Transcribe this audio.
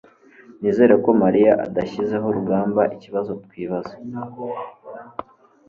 Nizere ko mariya adashyizeho urugamba ikibazo twibaza